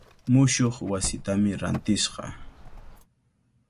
Mushuq wasitami rantishqa.